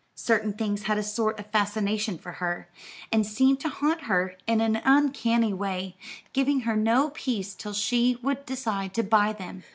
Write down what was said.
Certain things had a sort of fascination for her, and seemed to haunt her in an uncanny way, giving her no peace till she would decide to buy them.